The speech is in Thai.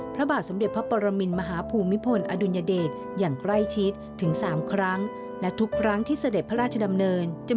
พระบาทสมเด็จพระปรมินมหาภูมิพลอดุลยเดชอย่างใกล้ชิดถึงสามครั้งและทุกครั้งที่เสด็จพระราชดำเนินจะ